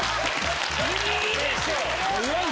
いいでしょ！